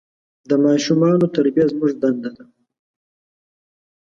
د ماشومان تربیه زموږ دنده ده.